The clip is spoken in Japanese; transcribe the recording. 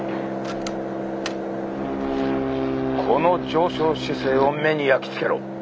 この上昇姿勢を目に焼き付けろ！